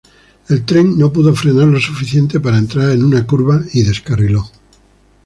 El tren no pudo frenar lo suficiente para entrar en una curva y descarriló.